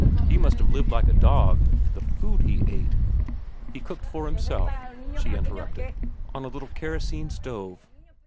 He must have lived like a dog. The food he ate—" "He cooked for himself," she interrupted, "on a little kerosene stove."